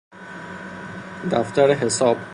دفتر حساب